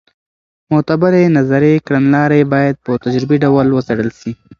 معتبرې نظري کړنلارې باید په تجربي ډول وڅېړل سي.